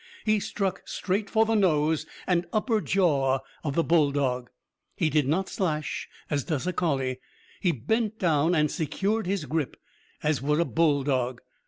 He struck straight for the nose and upper jaw of the bulldog. He did not slash, as does a collie. He bent down and secured his grip as would a bulldog.